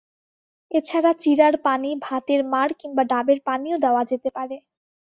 এছাড়া চিড়ার পানি, ভাতের মাড়, কিংবা ডাবের পানিও দেওয়া যেতে পারে।